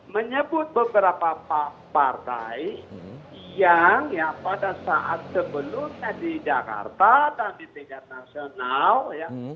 menyebut beberapa partai yang pada saat sebelumnya di jakarta tadi tingkat nasional ya